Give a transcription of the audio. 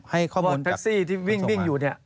เพราะว่าแพ็คซี่ที่วิ่งอยู่เนี่ย